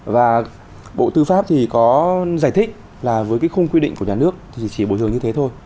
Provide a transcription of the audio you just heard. và bộ tư pháp thì có giải thích là với cái khung quy định của nhà nước thì chỉ bồi thường như thế thôi